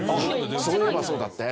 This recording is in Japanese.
そういえばそうだったよね。